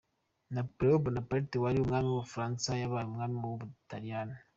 Napoléon Bonaparte wari umwami w’u Bufaransa yabaye umwami w’u Butaliyani.